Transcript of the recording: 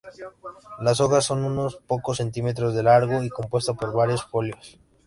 Las hojas son de unos pocos centímetros de largo y compuestas por varios foliolos.